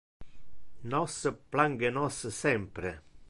Nos plange nos sempre.